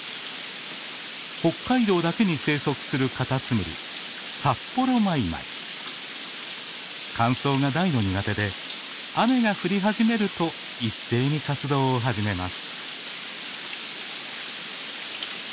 北海道だけに生息するカタツムリ乾燥が大の苦手で雨が降り始めると一斉に活動を始めます。